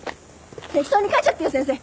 適当に書いちゃってよ先生。